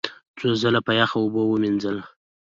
څو ځله په یخو اوبو ومینځله،